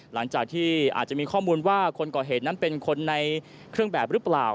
หลังจากที่อาจจะมีข้อมูลว่าคนก่อเหตุนั้นเป็นคนในเครื่องแบบหรือเปล่า